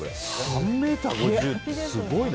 ３ｍ５０ってすごいな。